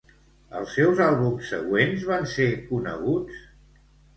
Els seus àlbums següents van ser coneguts?